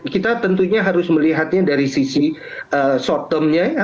kita tentunya harus melihatnya dari sisi short term nya